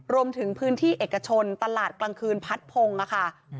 รวมถึงพื้นที่เอกชนตลาดกลางคืนพัดพงศ์ค่ะ